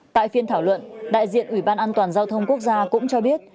tại phiên thảo luận đại diện ủy ban an toàn giao thông quốc gia cũng cho biết